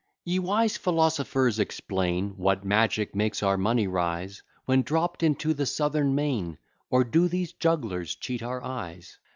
_ Ye wise philosophers, explain What magic makes our money rise, When dropt into the Southern main; Or do these jugglers cheat our eyes?